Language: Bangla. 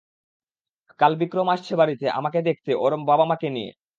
কাল বিক্রম আসছে বাড়িতে, আমাকে দেখতে, ওর বাবা-মাকে নিয়ে।